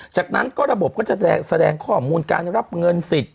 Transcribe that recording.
จากนั้นก็ระบบก็จะแสดงข้อมูลการรับเงินสิทธิ์